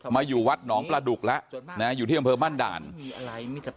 มาอยู่วัดหนองประดุกแล้วอยู่ที่บรรพยาบาลบ้านด่าน